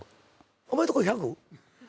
お前んとこ１００？